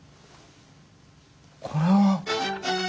これは。